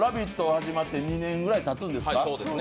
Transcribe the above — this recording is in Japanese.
始まって２年ぐらいたつんですか。